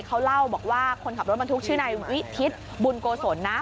เขาเล่าบอกว่าคนขับรถบรรทุกชื่อนายวิทิศบุญโกศลนะ